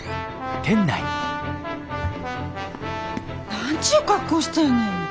何ちゅう格好してんねん。